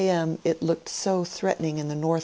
m. it looked so threatening: in the ?kW.